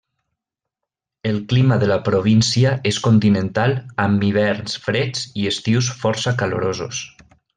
El clima de la província és continental, amb hiverns freds i estius força calorosos.